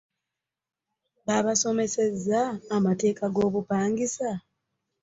Babasomesezza amateeka go bupangisa.